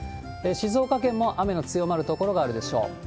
静岡県も雨の強まる所があるでしょう。